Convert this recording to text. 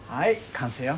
完成よ。